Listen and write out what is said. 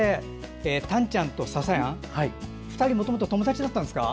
たんちゃんとささやん２人、もともと友達だったんですか？